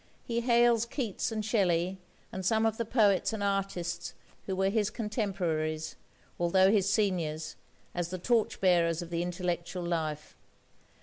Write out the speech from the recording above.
He hails Keats and Shelley and some of the poets and artists who were his contemporaries, although his seniors, as the torch bearers of the intellectual life.